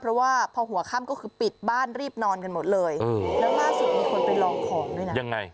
เพราะว่าพอหัวค่ำก็คือปิดบ้านรีบนอนกันหมดเลยแล้วล่าสุดมีคนไปลองของด้วยนะยังไง